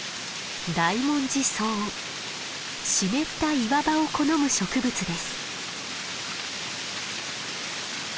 湿った岩場を好む植物です。